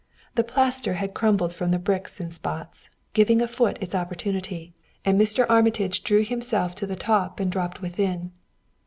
The plaster had crumbled from the bricks in spots, giving a foot its opportunity, and Mr. Armitage drew himself to the top and dropped within.